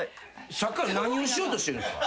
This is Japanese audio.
さっきから何しようとしてるんですか？